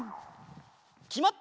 きまった！